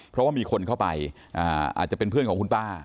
เพราะว่ามีคนเข้าไปอาจจะเป็นเพื่อนของคุณป้า